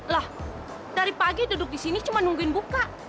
lah dari pagi duduk di sini cuma nungguin buka